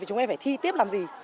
chúng em phải thi tiếp là phải thi